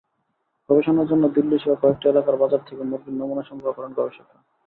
গবেষণার জন্য দিল্লিসহ কয়েকটি এলাকার বাজার থেকে মুরগির নমুনা সংগ্রহ করেন গবেষকেরা।